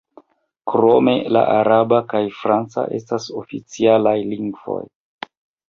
Krome la araba kaj franca estas oficialaj lingvoj.